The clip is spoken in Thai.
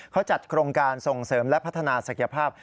เขาจัดโครงการส่งเสริมและพัฒนาศักยภาพ